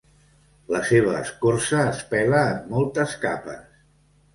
La seva escorça es pela en moltes capes.